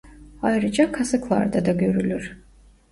Ayrıca kasıklarda da görülür.